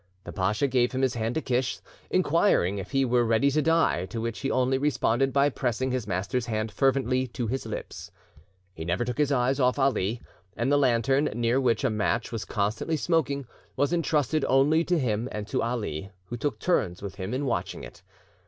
The pacha gave him his hand to kiss, inquiring if he were ready to die, to which he only responded by pressing his master's hand fervently to his lips. He never took his eyes off Ali, and the lantern, near which a match was constantly smoking, was entrusted only to him and to Ali, who took turns with him in watching it.